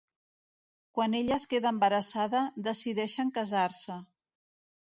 Quan ella es queda embarassada, decideixen casar-se.